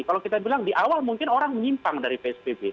kalau kita bilang di awal mungkin orang menyimpang dari psbb